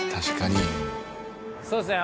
そうですね